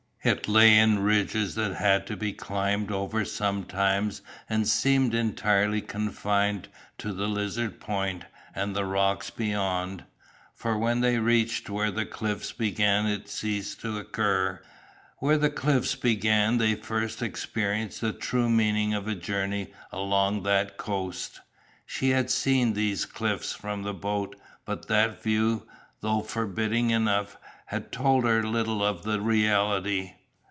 It lay in ridges that had to be climbed over sometimes and seemed entirely confined to the Lizard Point and the rocks beyond, for when they reached where the cliffs began it ceased to occur. Where the cliffs began they first experienced the true meaning of a journey along that coast. She had seen these cliffs from the boat, but that view, though forbidding enough, had told her little of the reality.